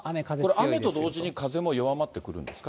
雨と同時に風も弱まってくるんですか？